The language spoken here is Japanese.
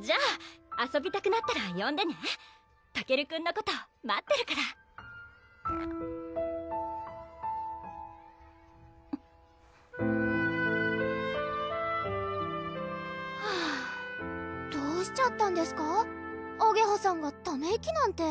じゃあ遊びたくなったらよんでねたけるくんのこと待ってるからはぁどうしちゃったんですかあげはさんがため息なんて！